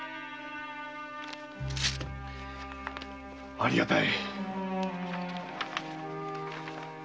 ありがたい。